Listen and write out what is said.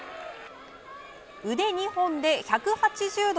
腕２本で１８０度